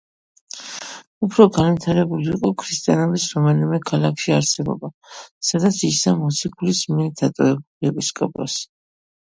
უფრო განვითარებული იყო ქრისტიანობის რომელიმე ქალაქში არსებობა, სადაც იჯდა მოციქულის მიერ დატოვებული ეპისკოპოსი.